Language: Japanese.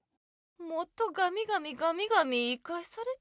もっとガミガミガミガミ言いかえされた。